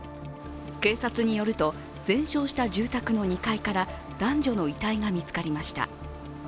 警察によると、全焼した住宅の２階から男女の遺体が見つかりました。